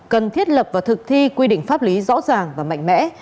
cần thiết lập và thực thi quy định pháp lý rõ ràng và mạnh mẽ